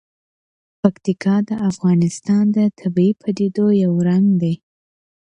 پکتیکا د افغانستان د طبیعي پدیدو یو رنګ دی.